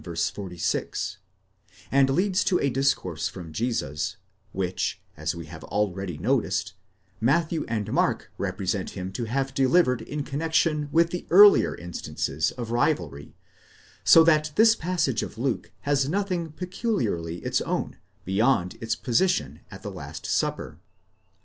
46,—and leads to a dis course from Jesus, which, as we have already noticed, Matthew and Mark represent him to have delivered in connexion with the earlier instances of rivalry ; so that this passage of Luke has nothing peculiarly its own, beyond its position, at the last supper.